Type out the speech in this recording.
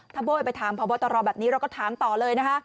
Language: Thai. ถ้าโบ้ยไปถามพบตรแบบนี้เราก็ถามต่อเลยนะคะ